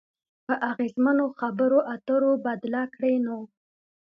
په اغیزمنو خبرو اترو بدله کړئ نو